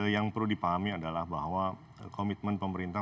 yang perlu dipahami adalah bahwa komitmen pemerintah